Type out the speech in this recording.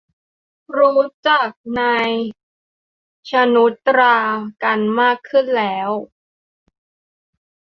รู้จัก นาย ชนุชตรา กันมากขึ้นแล้ว